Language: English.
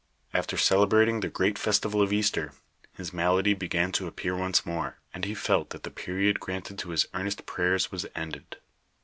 After cele brating the great festival cf Easter, his malady began to ap pear once more, and he felt that the period granted to his earnest prayers was ended.